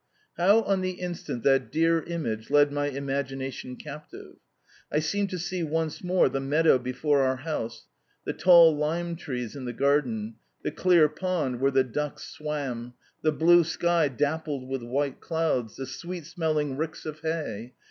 How on the instant that dear image led my imagination captive! I seemed to see once more the meadow before our house, the tall lime trees in the garden, the clear pond where the ducks swain, the blue sky dappled with white clouds, the sweet smelling ricks of hay.